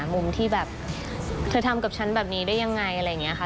มุมที่แบบเธอทำกับฉันแบบนี้ได้ยังไงอะไรอย่างนี้ค่ะ